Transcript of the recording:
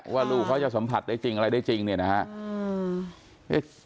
ว่าลูกเขาจะสัมผัสได้จริงอะไรได้จริงเนี่ยนะครับ